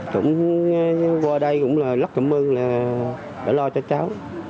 cũng qua đây cũng là lắc cảm ơn là đã lo cho tráo